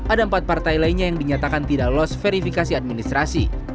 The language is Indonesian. ada empat partai lainnya yang dinyatakan tidak lolos verifikasi administrasi